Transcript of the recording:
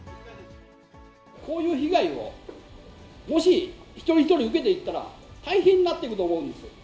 こういう被害を、もし一人一人受けていったら、大変になっていくと思うんですよ。